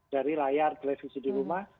dari layar televisi di rumah